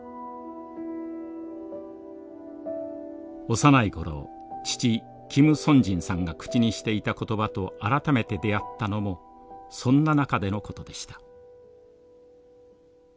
幼い頃父・金善辰さんが口にしていた言葉と改めて出会ったのもそんな中でのことでした。